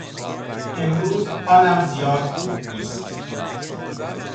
امروز حالم زیاد خوب نیست.